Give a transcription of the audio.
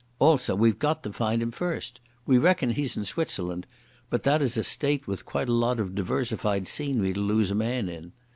Also we've got to find him first. We reckon he's in Switzerland, but that is a state with quite a lot of diversified scenery to lose a man in....